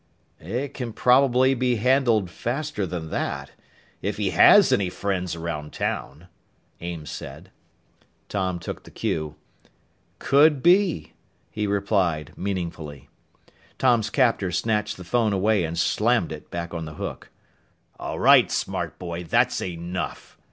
"It can probably be handled faster than that if he has any friends around town," Ames said. Tom took the cue. "Could be," he replied meaningfully. Tom's captor snatched the phone away and slammed it back on the hook. "All right, smart boy! That's enough!"